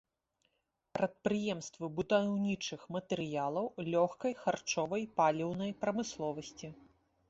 Прадпрыемствы будаўнічых матэрыялаў, лёгкай, харчовай, паліўнай прамысловасці.